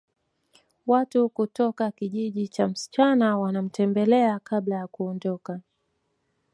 Watu kutoka kijiji cha msichana wanamtembelea kabla ya kuondoka